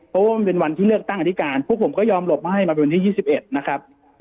เพราะว่ามันเป็นวันที่เลือกตั้งอธิการพวกผมก็ยอมหลบมาให้มาเป็นวันที่๒๑นะครับ